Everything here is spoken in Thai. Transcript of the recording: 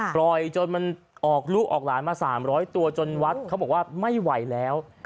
จนมันออกลูกออกหลานมา๓๐๐ตัวจนวัดเขาบอกว่าไม่ไหวแล้ว